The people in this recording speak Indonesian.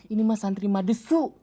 ini mah santri madesu